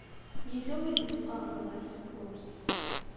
Yella win i d-isqeṛben ar tewwurt.